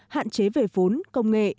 hạn chế về vốn công nghệ